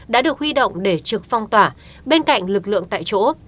đã được huy động để trực phong tỏa bên cạnh lực lượng tại chỗ